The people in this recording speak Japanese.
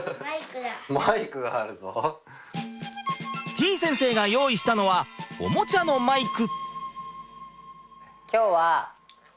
てぃ先生が用意したのはおもちゃのマイク。